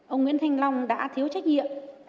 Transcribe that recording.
ông nguyễn thanh long đã thiếu trách nhiệm